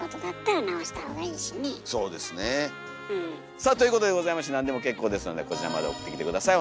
さあということでございまして何でも結構ですのでこちらまで送ってきて下さい。